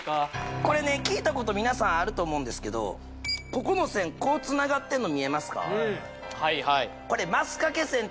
これね聞いたこと皆さんあると思うんですけどここの線こうつながってるの見えますか？